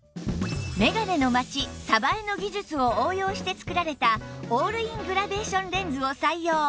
「めがねのまちさばえ」の技術を応用して作られたオールイングラデーションレンズを採用